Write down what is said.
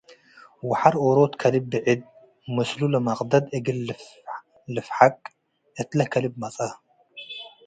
ወሐር ዎሮት ከልብ ብዕድ ምስሉ ለመቅደድ እግል ልፍሐቅ እትለ ከልብ መጽአ።